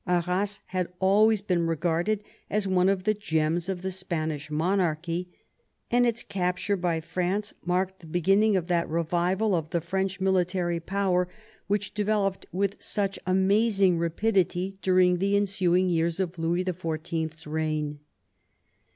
Arras had always been regarded as one of " the gems of the Spanish monarchy," and its capture by Franco marked the beginning of that revival of the French military power which developed with such amaz 124 MAZARIN ohap. ing rapidity during the ensuing years of Louis XIV. 's reign.